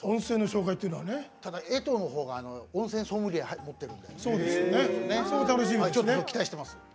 えとうのほうが温泉ソムリエ、持ってるので期待しています。